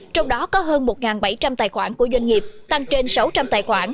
trong đó có hơn một bảy trăm linh tài khoản của doanh nghiệp tăng trên sáu trăm linh tài khoản